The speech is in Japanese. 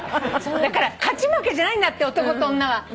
だから勝ち負けじゃないんだって男と女は。